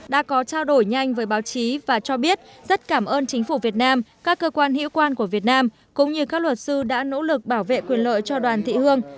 đoàn đã có trao đổi nhanh với báo chí và cho biết rất cảm ơn chính phủ việt nam các cơ quan hữu quan của việt nam cũng như các luật sư đã nỗ lực bảo vệ quyền lợi cho đoàn thị hương